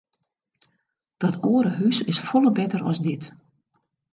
Dat oare hús is folle better as dit.